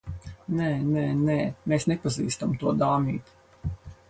Nē, nē, nē. Mēs nepazīstam to dāmīti.